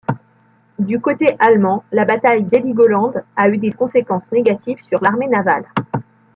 Du côté allemand, la bataille d’Heligoland a eu des conséquences négatives sur l’armée navale.